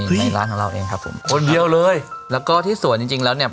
ในร้านของเราเองครับผมคนเดียวเลยแล้วก็ที่สวนจริงจริงแล้วเนี่ย